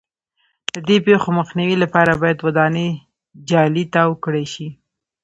د دې پېښو مخنیوي لپاره باید ودانۍ جالۍ تاو کړای شي.